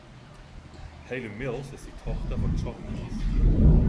Haley Mills ist die Tochter von John Mills.